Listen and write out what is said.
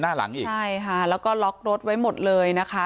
ใช่ค่ะแล้วก็ล็อกรถไว้หมดเลยนะคะ